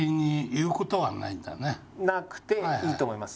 なくていいと思います。